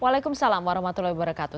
waalaikumsalam warahmatullahi wabarakatuh